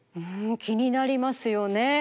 んきになりますよね。